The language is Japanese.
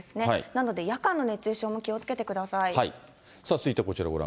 なので夜間の熱中症も気をつけてください。